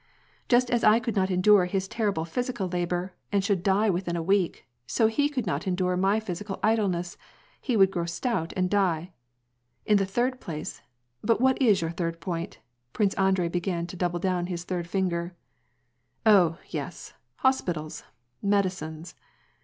Just as I could not endure his terrible physical labor, and should die within a week, so he could not endure my physical idleness ; he would grow stout and die. • In the third place, — but what was your third point?" — Prince Andrei began to double down his third finger. " Oh, yes, hospitals, medicines.